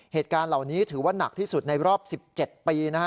เหตุการณ์เหล่านี้ถือว่าหนักที่สุดในรอบ๑๗ปีนะฮะ